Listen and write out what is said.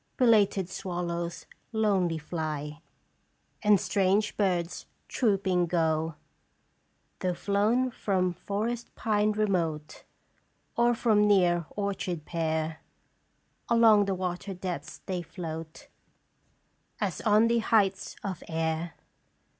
Belated swallows lonely fly, And strange birds trooping go. " Though flown from forest pine remote, Or from near orchard pear, Along the water depths they float, As on the heights of air.